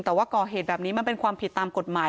แต่ว่าก่อเหตุแบบนี้มันเป็นความผิดตามกฎหมาย